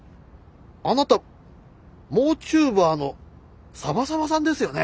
あなたモウチューバーのサバサバさんですよね？